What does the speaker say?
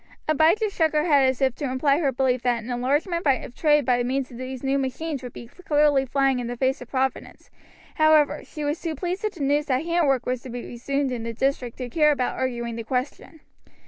Abijah shook her head as if to imply her belief that an enlargement of trade by means of these new machines would be clearly flying in the face of providence, however, she was too pleased at the news that hand work was to be resumed in the district to care about arguing the question.